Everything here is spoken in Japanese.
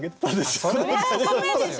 そりゃ駄目でしょ！